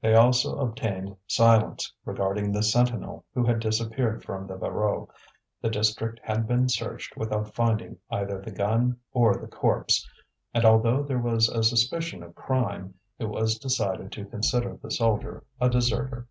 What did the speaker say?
They also obtained silence regarding the sentinel who had disappeared from the Voreux; the district had been searched without finding either the gun or the corpse, and although there was a suspicion of crime, it was decided to consider the soldier a deserter.